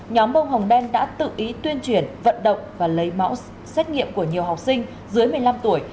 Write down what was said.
nhóm bông hồng đen đã tự ý tuyên truyền vận động và lấy mẫu xét nghiệm của nhiều học sinh dưới một mươi năm tuổi